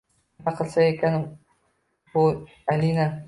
Nima qilsa ekan bu Alini